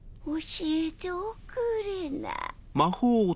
教えておくれな。